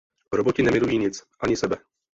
Roboti nemilují nic, ani sebe.